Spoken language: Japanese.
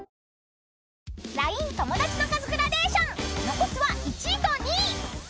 ［残すは１位と２位］